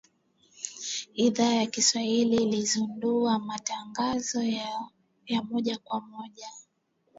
Idhaa ya Kiswahili ilizindua matangazo ya moja kwa moja